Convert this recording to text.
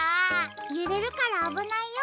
ゆれるからあぶないよ。